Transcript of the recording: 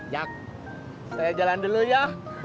ya saya jalan dulu ya